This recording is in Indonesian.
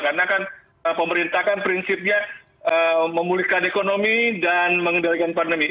karena kan pemerintah kan prinsipnya memulihkan ekonomi dan mengendalikan pandemi